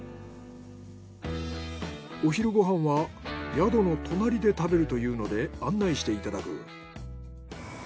お昼ご飯は宿の隣で食べるというので案内していただく。